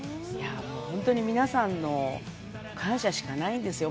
本当に皆さんの感謝しかないんですよ。